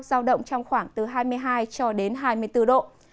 giao động trong khoảng từ hai mươi hai cho đến hai mươi bốn độ